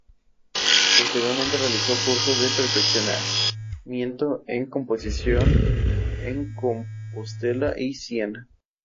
Posteriormente realizó cursos de perfeccionamiento en Composición en Compostela y Siena.